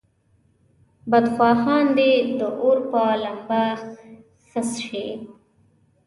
بدخواهان دې د اور په لمبه خس شي.